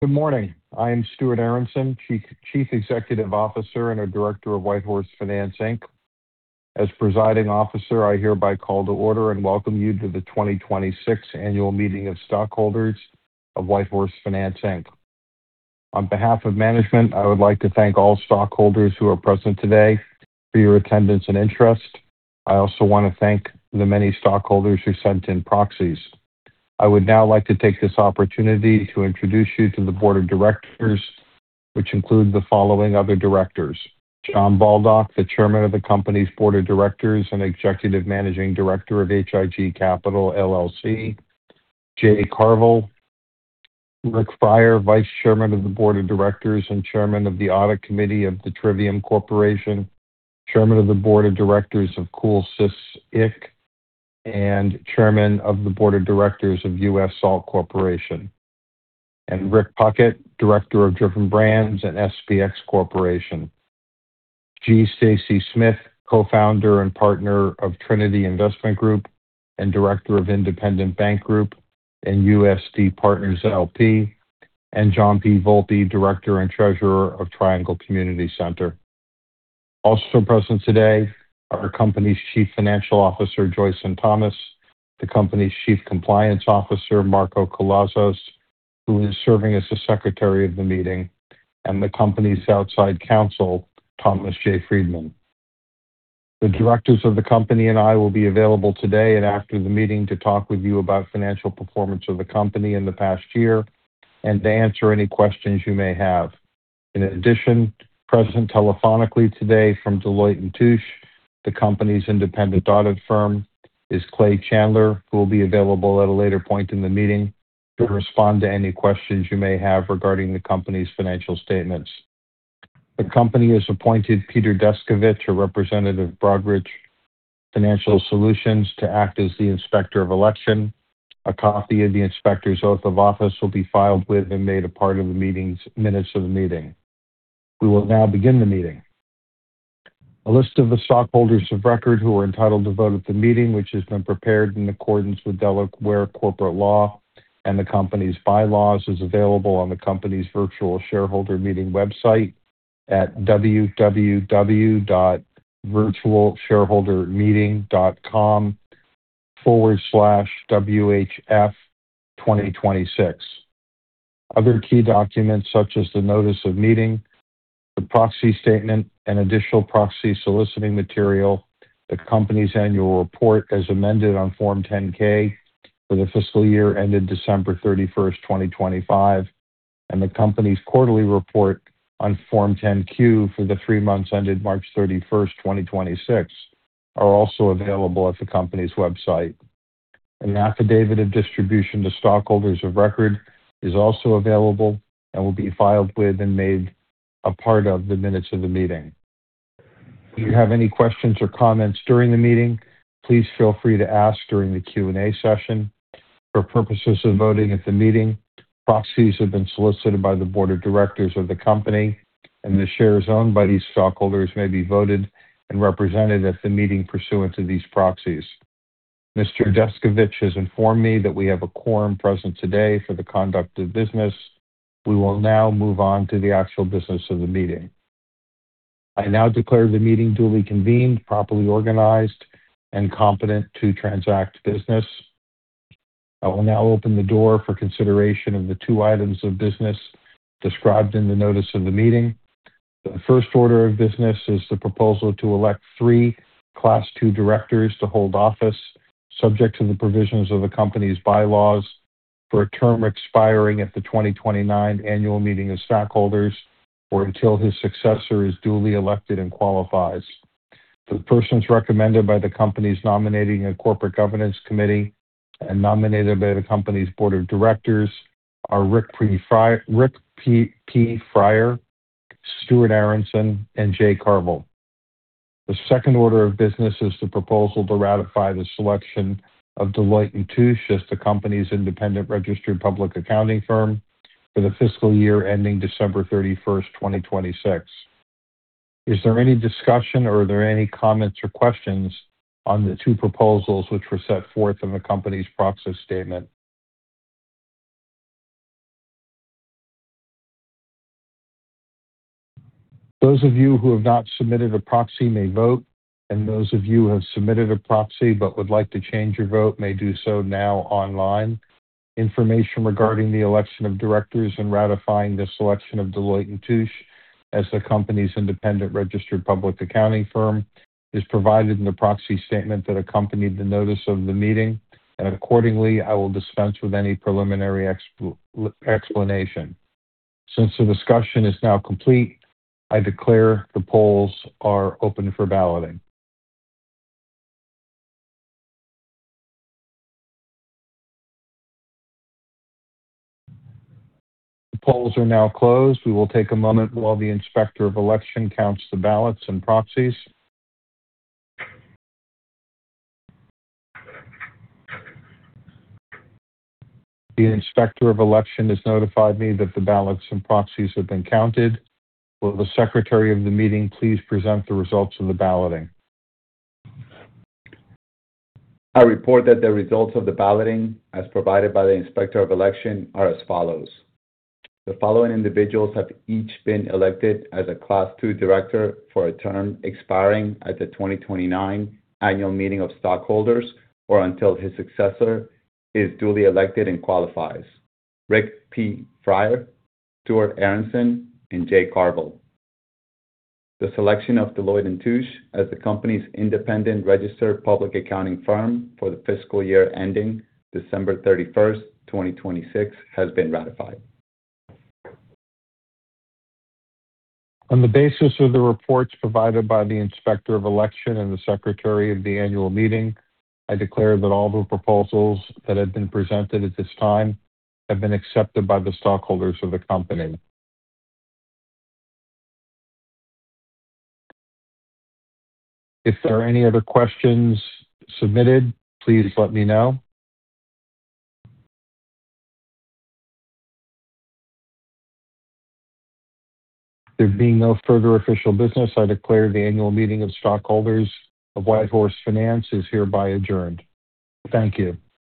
Good morning. I am Stuart Aronson, Chief Executive Officer and a Director of WhiteHorse Finance, Inc. As presiding officer, I hereby call to order and welcome you to the 2026 Annual Meeting of Stockholders of WhiteHorse Finance, Inc. On behalf of management, I would like to thank all stockholders who are present today for your attendance and interest. I also want to thank the many stockholders who sent in proxies. I would now like to take this opportunity to introduce you to the Board of Directors, which include the following other directors: John Bolduc, the Chairman of the Company's Board of Directors and Executive Managing Director of H.I.G. Capital, LLC; Jay Carvell; Rick Fryar, Vice Chairman of the Board of Directors and Chairman of the Audit Committee of The Trivium Corporation, Chairman of the Board of Directors of CoolSys, Inc., and Chairman of the Board of Directors of US Salt Corporation; Rick Puckett, Director of Driven Brands and SPX Corporation; G. Stacy Smith, Co-founder and Partner of Trinity Investment Group and Director of Independent Bank Group and USD Partners LP; and John P. Volpe, Director and Treasurer of Triangle Community Center. Also present today are our company's Chief Financial Officer, Joyson N. Thomas, the company's Chief Compliance Officer, Marco Collazos, who is serving as the Secretary of the meeting, and the company's outside counsel, Thomas J. Friedman. The directors of the company and I will be available today and after the meeting to talk with you about financial performance of the company in the past year and to answer any questions you may have. In addition, present telephonically today from Deloitte & Touche, the company's independent audit firm, is Clay Chandler, who will be available at a later point in the meeting to respond to any questions you may have regarding the company's financial statements. The company has appointed Peter Deskovich, a representative of Broadridge Financial Solutions, to act as the Inspector of Election. A copy of the Inspector's Oath of Office will be filed with and made a part of the minutes of the meeting. We will now begin the meeting. A list of the stockholders of record who are entitled to vote at the meeting, which has been prepared in accordance with Delaware corporate law and the company's bylaws, is available on the company's virtual shareholder meeting website at www.virtualshareholdermeeting.com/whf2026. Other key documents, such as the notice of meeting, the proxy statement, and additional proxy soliciting material, the company's annual report as amended on Form 10-K for the fiscal year ended December 31st, 2025, and the company's quarterly report on Form 10-Q for the three months ended March 31st, 2026, are also available at the company's website. An affidavit of distribution to stockholders of record is also available and will be filed with and made a part of the minutes of the meeting. If you have any questions or comments during the meeting, please feel free to ask during the question-and-answer session. For purposes of voting at the meeting, proxies have been solicited by the Board of Directors of the company, and the shares owned by these stockholders may be voted and represented at the meeting pursuant to these proxies. Mr. Deskovich has informed me that we have a quorum present today for the conduct of business. We will now move on to the actual business of the meeting. I now declare the meeting duly convened, properly organized and competent to transact business. I will now open the door for consideration of the two items of business described in the notice of the meeting. The first order of business is the proposal to elect three Class II directors to hold office, subject to the provisions of the company's bylaws, for a term expiring at the 2029 Annual Meeting of Stockholders, or until his successor is duly elected and qualifies. The persons recommended by the company's Nominating and Corporate Governance Committee and nominated by the company's Board of Directors are Rick P. Frier, Stuart Aronson, and Jay Carvell. The second order of business is the proposal to ratify the selection of Deloitte & Touche as the company's independent registered public accounting firm for the fiscal year ending December 31st, 2026. Is there any discussion or are there any comments or questions on the two proposals which were set forth in the company's proxy statement? Those of you who have not submitted a proxy may vote, and those of you who have submitted a proxy but would like to change your vote may do so now online. Information regarding the election of directors and ratifying the selection of Deloitte & Touche as the company's independent registered public accounting firm is provided in the proxy statement that accompanied the notice of the meeting, and accordingly, I will dispense with any preliminary explanation. Since the discussion is now complete, I declare the polls are open for balloting. The polls are now closed. We will take a moment while the Inspector of Election counts the ballots and proxies. The Inspector of Election has notified me that the ballots and proxies have been counted. Will the Secretary of the meeting please present the results of the balloting? I report that the results of the balloting, as provided by the Inspector of Election, are as follows. The following individuals have each been elected as a Class II director for a term expiring at the 2029 Annual Meeting of Stockholders, or until his successor is duly elected and qualifies. Rick P. Frier, Stuart Aronson, and Jay Carvell. The selection of Deloitte & Touche as the company's independent registered public accounting firm for the fiscal year ending December 31st, 2026, has been ratified. On the basis of the reports provided by the Inspector of Election and the Secretary of the annual meeting, I declare that all the proposals that have been presented at this time have been accepted by the stockholders of the company. If there are any other questions submitted, please let me know. There being no further official business, I declare the Annual Meeting of Stockholders of WhiteHorse Finance is hereby adjourned. Thank you.